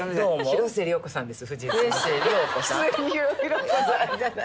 広末涼子さんです。